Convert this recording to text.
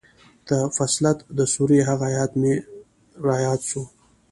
د فصلت د سورې هغه ايت مې راياد سو.